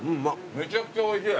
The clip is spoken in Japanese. めちゃくちゃおいしい。